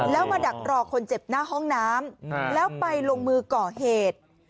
แล้วมาดักรอคนเจ็บหน้าห้องน้ำแล้วไปลงมือก่อเหตุ